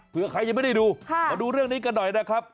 เพื่อใครยังไม่ได้ดูมาดูเรื่องนี้กันหน่อยนะครับ